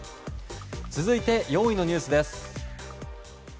続いて４位のニュースです。